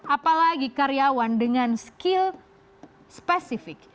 apalagi karyawan dengan skill spesifik